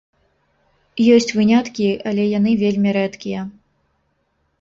Ёсць выняткі, але яны вельмі рэдкія.